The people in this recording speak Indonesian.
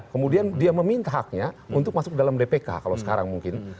kemudian dia meminta haknya untuk masuk dalam dpk kalau sekarang mungkin